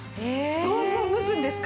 豆腐を蒸すんですか？